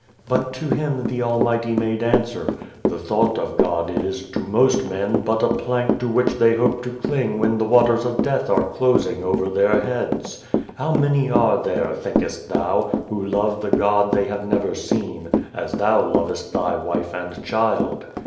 " But to him the Almighty made answer : "The thought of God is, to most men, but a plank to which they hope to cling when the waters of death are closing over their heads. How many are there, thinkest thou, who love the God they have never seen, as thou lovest thy wife and child